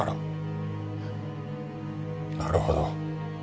なるほど。